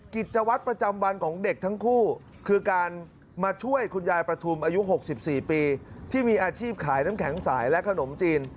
กิจวัตรประจำวันของเด็กทั้งคู่คือการมาช่วยคุณยายประทุมอายุ๖๔ปีที่มีอาชีพขายน้ำแข็งสายและขนมจีน